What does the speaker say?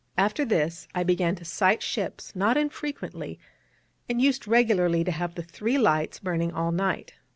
After this I began to sight ships not infrequently, and used regularly to have the three lights burning all night.